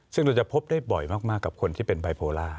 ซึ่งเราจะพบได้บ่อยมากกับคนที่เป็นไบโพล่า